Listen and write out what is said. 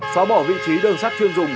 xóa bỏ vị trí đường sắt chuyên dùng